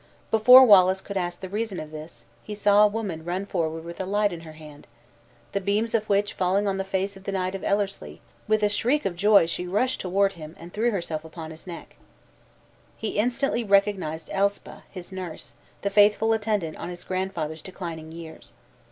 Before Wallace could ask the reason of this, he saw a woman run forward with a light in her hand; the beams of which falling on the face of the knight of Ellerslie, with a shriek of joy she rushed toward him, and threw herself upon his neck. He instantly recognized Elspa, his nurse; the faithful attendant on his grandfather's declining years!